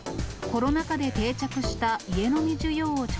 コロナ禍で定着した家飲み需